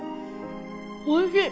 おいしい